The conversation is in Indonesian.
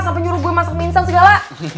sampai nyuruh gue masak minsan segala